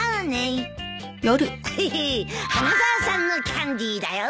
花沢さんのキャンディーだよ。